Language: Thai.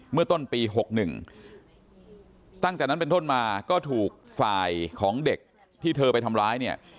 เมื่อต้นปี๖๑ตั้งแต่นั้นเป็นต้นมาก็ถูกฝ่ายของเด็กที่เธอไปทำร้ายเนี่ย